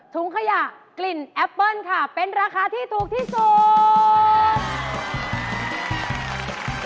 ถุงขยะกลิ่นแอปเปิ้ลค่ะเป็นราคาที่ถูกที่สุด